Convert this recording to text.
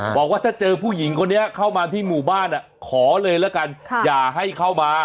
บอกว่าถ้าเจอผู้หญิงคนนี้เข้ามาที่หมู่บ้านขอเลยละกันอย่าให้เข้ามา